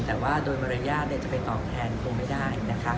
แต่ว่าโดยมหระญาตรจะไปต่อแทนคงไม่ได้